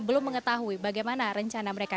belum mengetahui bagaimana rencana mereka